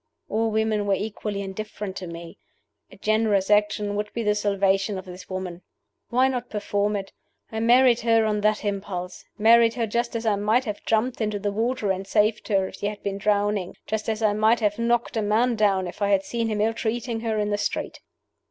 All women were equally indifferent to me. A generous action would be the salvation of this woman. Why not perform it? I married her on that impulse married her just as I might have jumped into the water and saved her if she had been drowning; just as I might have knocked a man down if I had seen him ill treating her in the street!